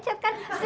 tapi tapi tapi